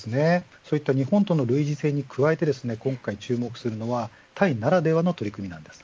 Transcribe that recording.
そういった日本との類似性に加えて今回注目するのはタイならではの取り組みです。